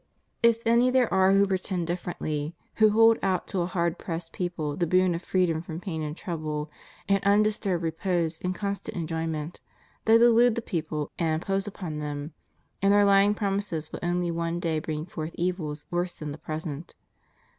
If any there are who pretend differently — who hold out to a hard pressed people the boon of free dom from pain and trouble, an undisturbed repose, and constant enjoyment — they delude the people and impose upon them, and their lying promises will only one day bring forth evils worse than the present.